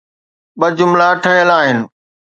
ٻه جملا ٺهيل آهن.